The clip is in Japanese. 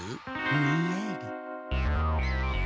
ニヤリ。